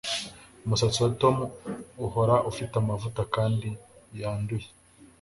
Umusatsi wa Tom uhora ufite amavuta kandi yanduye